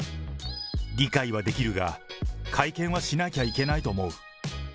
理解はできるが、会見はしなきゃいけないと思う。